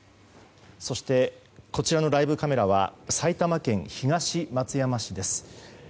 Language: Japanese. そして、こちらのライブカメラは埼玉県東松山市です。